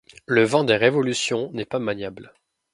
Le vent des révolutions n'est pas maniable.